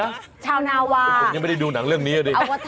โอฉันยังไม่ได้ดูหนังเรื่องนี้อ่ะดิ